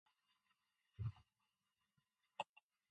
This feature is radial to the Mare Orientale basin.